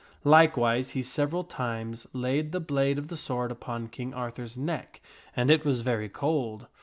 Likewise, he several times laid the blade of the sword upon King Arthur's Thg kn{ ht tor _ neck, and it was very cold.